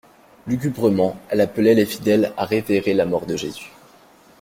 Lugubrement elle appelait les fidèles à révérer la mort de Jésus.